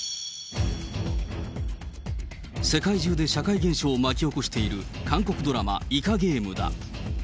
世界中で社会現象を巻き起こしている韓国ドラマ、イカゲームだ。